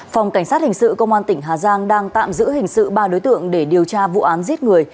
phòng cảnh sát hình sự công an tỉnh hà giang đang tạm giữ hình sự ba đối tượng để điều tra vụ án giết người